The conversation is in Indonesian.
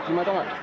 cuma tau gak